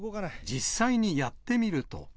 実際にやってみると。